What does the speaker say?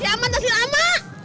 kiamat masih lama